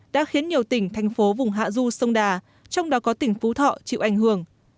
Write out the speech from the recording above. đã khiến nhiều tỉnh thành phố vùng hạ du sông đà trong đó có tỉnh phú thọ chịu ảnh hưởng